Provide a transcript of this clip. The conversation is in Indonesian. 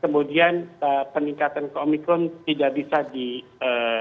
kemudian peningkatan omicron tidak bisa dikacau